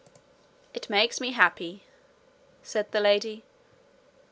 'It makes me happy,' said the lady.